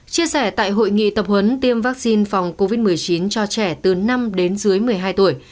chia sẻ tại hội nghị tập huấn tiêm vaccine phòng covid một mươi chín cho trẻ từ năm đến dưới một mươi hai tuổi